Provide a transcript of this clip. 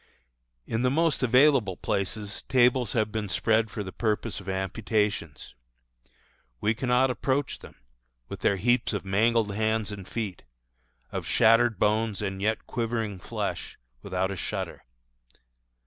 In the most available places tables have been spread for the purpose of amputations. We cannot approach them, with their heaps of mangled hands and feet, of shattered bones and yet quivering flesh, without a shudder.